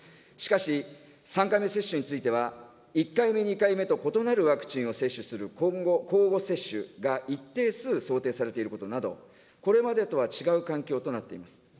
しかし、３回目接種については、１回目、２回目と異なるワクチンを接種する交互接種が一定数想定されていることなど、これまでとは違う環境となっています。